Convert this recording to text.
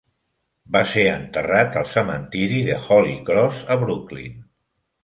Va ser enterrat al cementiri de Holy Cross a Brooklyn.